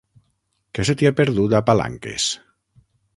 Què se t'hi ha perdut, a Palanques?